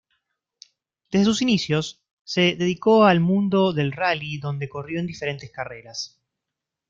Desde sus inicios se dedicó al mundo del rally donde corrió en diferentes carreras.